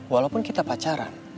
walaupun kita pacaran